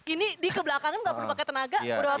ini di kebelakangan gak perlu pakai tenaga